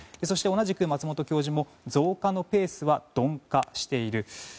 そして、同じく松本教授も増加のペースは鈍化している。